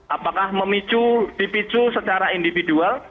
apakah dipicu secara individual